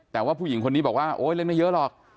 แต่ว่าผู้หญิงคนนี้บอกว่าโอ๊ยเล่นไม่เยอะหรอก